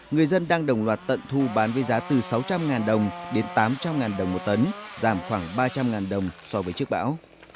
người dân đang đồng loạt tận thu bán với giá từ sáu trăm linh đồng đến tám trăm linh đồng một tấn giảm khoảng ba trăm linh đồng so với trước bão